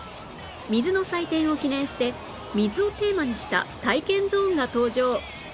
水の祭典を記念して水をテーマにした体験ゾーンが登場